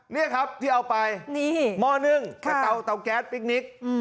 นี่ครับที่เอาไปนี่หม้อหนึ่งค่ะแต่เตาแก๊สปิ๊กนิกอืม